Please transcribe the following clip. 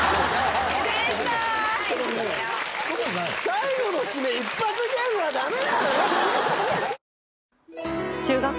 最後の締め一発ギャグはダメ！